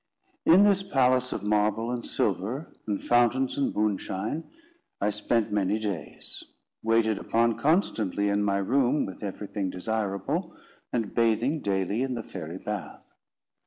In this palace of marble and silver, and fountains and moonshine, I spent many days; waited upon constantly in my room with everything desirable, and bathing daily in the fairy bath.